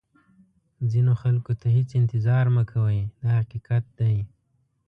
ځینو خلکو ته هېڅ انتظار مه کوئ دا حقیقت دی.